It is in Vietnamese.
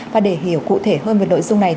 và để hiểu cụ thể hơn về nội dung này